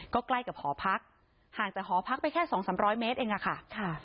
ก็ใกล้กับหอพักห่างจากหอพักไปแค่สองสามร้อยเมตรเองอะค่ะ